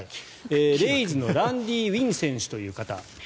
レイズのランディ・ウィン選手という方。